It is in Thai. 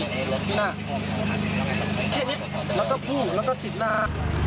ขึ้นหน้าแค่นี้แล้วก็กู้แล้วก็ติดหน้า